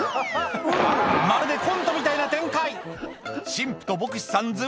まるでコントみたいな展開新婦と牧師さん